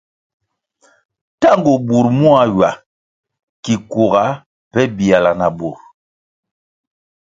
Tangu bur muá ywa ki kuga pe biala na bur.